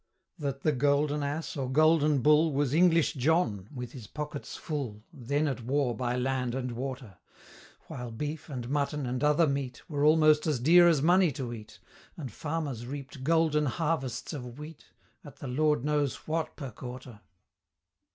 That the Golden Ass, or Golden Bull, Was English John, with his pockets full, Then at war by land and water: While beef, and mutton, and other meat, Were almost as dear as money to eat, And farmers reaped Golden Harvests of wheat At the Lord knows what per quarter!